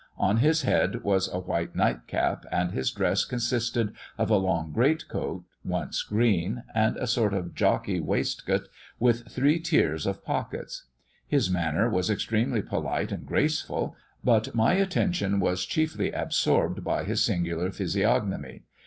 On his head was a white nightcap, and his dress consisted of a long great coat, once green, and a sort of jockey waistcoat, with three tiers of pockets. His manner was extremely polite and graceful; but my attention was chiefly absorbed by his singular physiognomy.